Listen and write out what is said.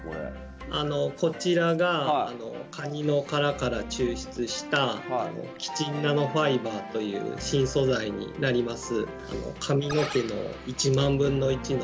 あのこちらがカニの殻から抽出したキチンナノファイバーという新素材になります。